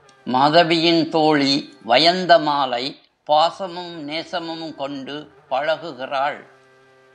மாதவியின் தோழி வயந்த மாலை பாசமும் நேசமும் கொண்டு பழகுகிறாள்.